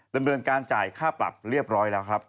ดำเนินการจ่ายค่าปรับเรียบร้อยแล้วครับ